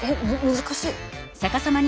難しい！